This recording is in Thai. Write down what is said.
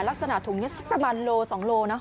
ลักษณะถุงนี้ประมาณ๑๒โลกรัมนะ